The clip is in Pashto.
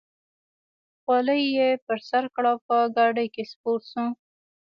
خولۍ یې پر سر کړه او په ګاډۍ کې سپور شو.